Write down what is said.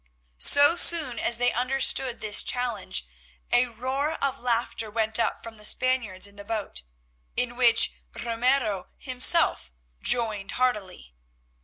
So soon as they understood this challenge a roar of laughter went up from the Spaniards in the boat, in which Ramiro himself joined heartily.